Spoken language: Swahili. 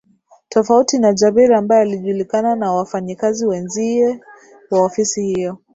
Tofauti na Jabir ambaye alijulikana na wafanyakazi wenzie wa ofisi hiyo